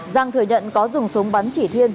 giang thừa nhận có dùng súng bắn chỉ thiên